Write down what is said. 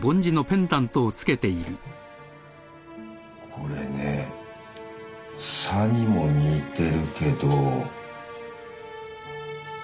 これね「さ」にも似てるけど。